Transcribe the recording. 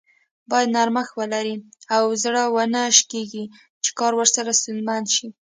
بايد نرمښت ولري او زر و نه شکیږي چې کار ورسره ستونزمن شي.